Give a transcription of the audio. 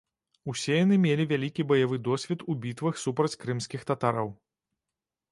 Усе яны мелі вялікі баявы досвед у бітвах супраць крымскіх татараў.